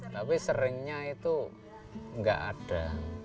tapi seringnya itu nggak ada